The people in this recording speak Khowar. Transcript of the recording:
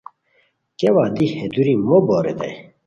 کیاوت دی ہے دوری مو بو ریتائے